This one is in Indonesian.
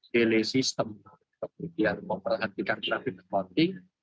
kemudian memperhatikan traffic accounting